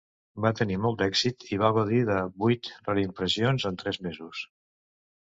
Va tenir molt d'èxit i va gaudir de vuit reimpressions en tres mesos.